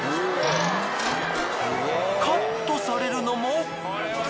カットされるのも。